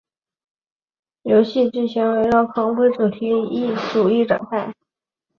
游戏的剧情围绕恐怖主义展开。